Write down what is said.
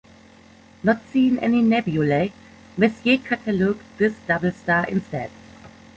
Not seeing any nebulae, Messier catalogued this double star instead.